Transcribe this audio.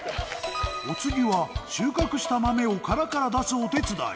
お次は収穫した豆を殻から出すお手伝い。